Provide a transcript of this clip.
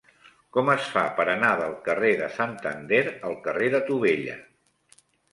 Com es fa per anar del carrer de Santander al carrer de Tubella?